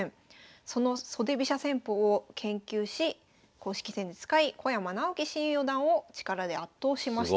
その袖飛車戦法を研究し公式戦で使い小山直希新四段を力で圧倒しました。